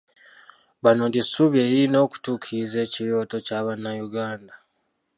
Bano ly'essuubi eririna okutuukiriza ekirooto kya bannayuganda.